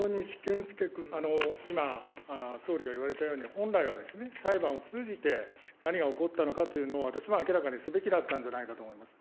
今、総理が言われたように、本来はですね、裁判を通じて、何が起こったのかというのを私も明らかにすべきだったんじゃないかと思います。